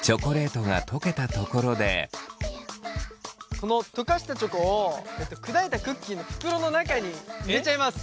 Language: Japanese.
この溶かしたチョコを砕いたクッキーの袋の中に入れちゃいます。